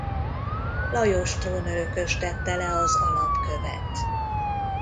Lajos trónörökös tette le az alapkövet.